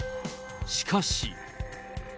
しかし。